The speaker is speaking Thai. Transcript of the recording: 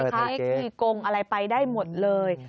ไทเก๊กที่กงอะไรไปได้หมดเลย